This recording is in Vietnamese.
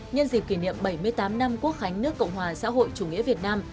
nhân dịp kỷ niệm bảy mươi tám năm quốc khánh nước cộng hòa xã hội chủ nghĩa việt nam